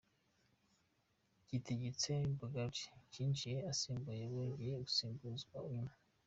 Kitegetse Bogarde yinjiye asimbura yongera gusimbuzwa nyuma.